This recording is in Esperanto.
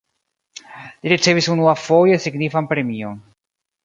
Li ricevis unuafoje signifan premion.